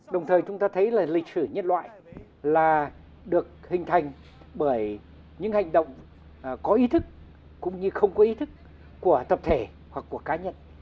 đồng thời chúng ta thấy là lịch sử nhất loại là được hình thành bởi những hành động có ý thức cũng như không có ý thức của tập thể hoặc của cá nhân